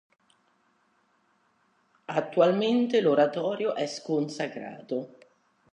Attualmente l'oratorio è sconsacrato.